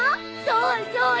そうそう。